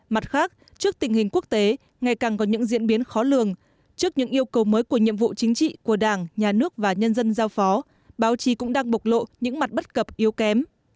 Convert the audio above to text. mặt khác trước tình hình quốc tế ngày càng có những diễn biến khó lường trước những yêu cầu mới của nhiệm vụ chính trị của đảng nhà nước và nhân dân giao phó báo chí cũng đang bộc lộ những mặt bất cập yếu kém